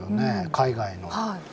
海外の。